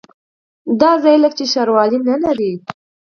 دا ځای لکه چې ښاروالي نه لري.